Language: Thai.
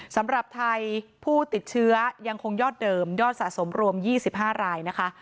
สำหรับไทยผู้ติดเชื้อยังคงยอดเดิมยอดสะสมรวม๒๕รายนะคะ